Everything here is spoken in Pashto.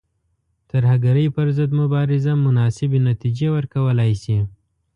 ترهګرۍ پر ضد مبارزه مناسبې نتیجې ورکولای شي.